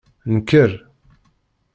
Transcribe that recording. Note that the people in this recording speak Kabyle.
Nker.